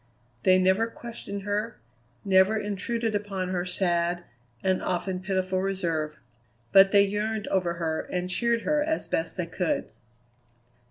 They never questioned her; never intruded upon her sad, and often pitiful, reserve; but they yearned over her and cheered her as best they could.